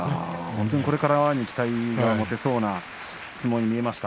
これからに期待が持てそうな相撲に見えました。